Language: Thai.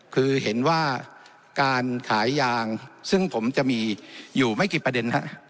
คือเห็นว่าการขายยางซึ่งผมจะมีอยู่ไม่กี่ประเด็น